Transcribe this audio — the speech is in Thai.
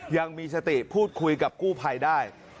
ยังมีสติพูดคุยกับกู้ภัยได้